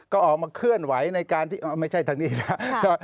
ก็ออกมาเคลื่อนไหวในการที่ไม่ใช่ทางนี้นะ